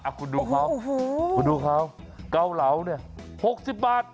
คุณดูเขาคุณดูเขาเกาเหลาเนี่ย๖๐บาท